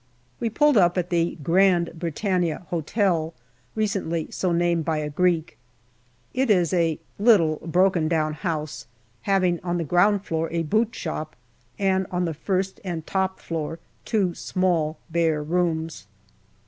We pulled up at the Grand Britannia Hotel, recently so named by a Greek. It is a little broken down house, having on the ground floor a boot shop, and on the first and top floor two small bare rooms.